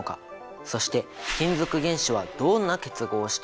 そして金属原子はどんな結合をしているのか？